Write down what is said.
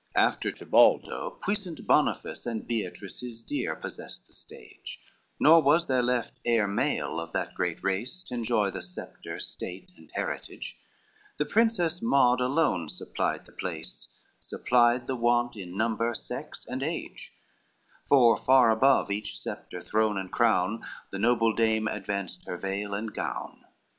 LXXVII After Tebaldo, puissant Boniface And Beatrice his dear possessed the stage; Nor was there left heir male of that great race, To enjoy the sceptre, state and heritage; The Princess Maud alone supplied the place, Supplied the want in number, sex and age; For far above each sceptre, throne and crown, The noble dame advanced her veil and gown.